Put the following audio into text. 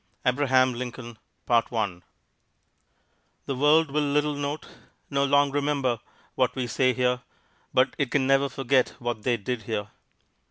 ABRAHAM LINCOLN The world will little note, nor long remember, what we say here, but it can never forget what they did here.